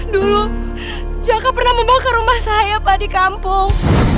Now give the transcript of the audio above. dulu jaka pernah membawa ke rumah saya pak di kampung